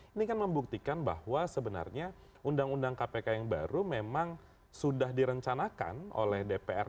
ini kan membuktikan bahwa sebenarnya undang undang kpk yang baru memang sudah direncanakan oleh dpr